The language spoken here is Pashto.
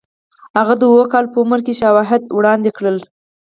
هغه د اوو کالو په عمر کې شواهد وړاندې کړل